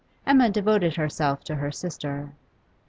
Emma devoted herself to her sister.